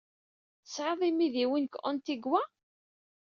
Tesɛid imidiwen deg Antigua?